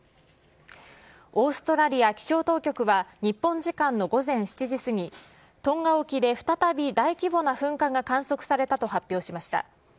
オーストラリア気象当局は、日本時間の午前７時過ぎ、トンガ沖で再び大規模な噴火が観測されたと発表しました。